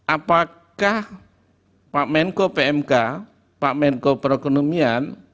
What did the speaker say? apakah pak menko pmk pak menko perekonomian